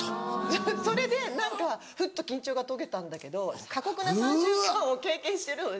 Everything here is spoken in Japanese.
それで何かフッと緊張が解けたんだけど過酷な３週間を経験してるので。